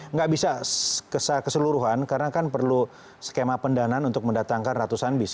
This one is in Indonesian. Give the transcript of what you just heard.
nggak bisa keseluruhan karena kan perlu skema pendanaan untuk mendatangkan ratusan bis